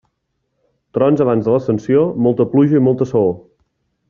Trons abans de l'Ascensió, molta pluja i molta saó.